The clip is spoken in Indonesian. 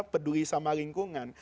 peduli sama lingkungan